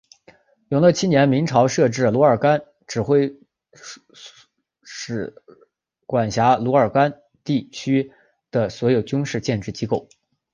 永乐七年明朝设置奴儿干都指挥使司管辖奴儿干地区的所有军事建制机构。